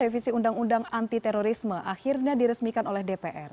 revisi undang undang anti terorisme akhirnya diresmikan oleh dpr